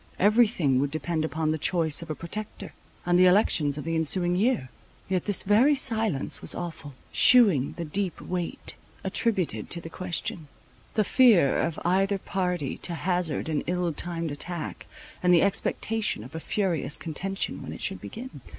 Every thing would depend upon the choice of a Protector, and the elections of the ensuing year. Yet this very silence was awful, shewing the deep weight attributed to the question; the fear of either party to hazard an ill timed attack, and the expectation of a furious contention when it should begin.